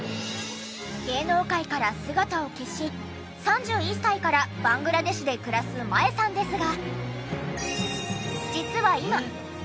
芸能界から姿を消し３１歳からバングラデシュで暮らす麻恵さんですが。